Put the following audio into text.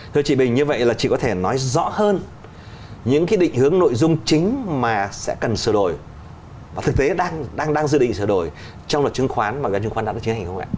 thưa chị bình như vậy là chị có thể nói rõ hơn những cái định hướng nội dung chính mà sẽ cần sửa đổi và thực tế đang đang đang dự định sửa đổi trong luật chứng khoán mà các luật chứng khoán đã được chứng hành không ạ